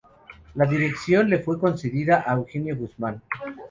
La dirección le fue concedida a Eugenio Guzmán.